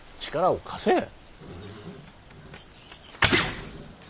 力を貸せ。